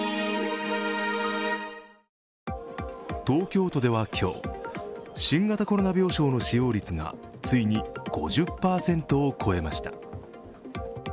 東京都では今日、新型コロナ病床の使用率がついに５０％を超えました。